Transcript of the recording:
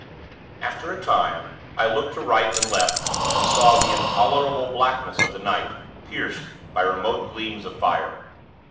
After a time, I looked to right and left, and saw the intolerable blackness of the night, pierced by remote gleams of fire.